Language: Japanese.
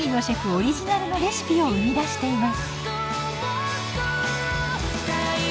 オリジナルのレシピを生み出しています。